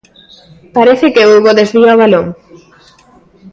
Parece que Hugo desvía o balón.